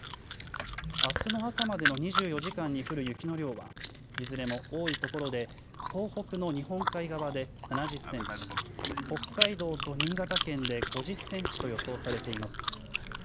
あすの朝までの２４時間に降る雪の量はいずれも多いところで東北の日本海側で７０センチ、北海道と新潟県で５０センチと予想されています。